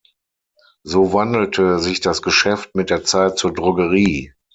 So wandelte sich das Geschäft mit der Zeit zur Drogerie.